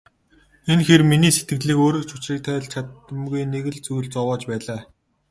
Энэ хэр миний сэтгэлийг өөрөө ч учрыг тайлж чадамгүй нэг л зүйл зовоож байлаа.